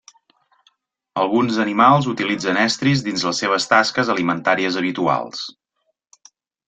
Alguns animals utilitzen estris dins les seves tasques alimentàries habituals.